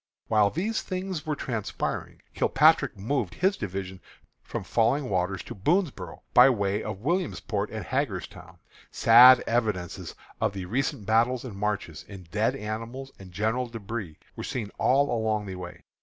While these things were transpiring, Kilpatrick moved his division from Falling Waters to Boonsboro' by way of Williamsport and Hagerstown. Sad evidences of the recent battles and marches, in dead animals and general débris, were seen all along the way.